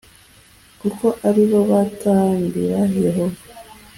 kuko ari bo batambira yehova